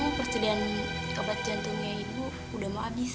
mamamu persediaan kebat jantungnya ibu sudah mau habis